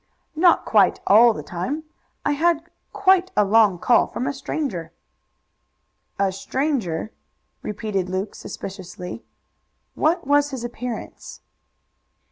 "Not quite all the time. I had quite a long call from a stranger." "A stranger!" repeated Luke suspiciously. "What was his appearance?"